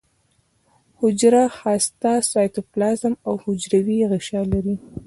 حجره هسته سایتوپلازم او حجروي غشا لري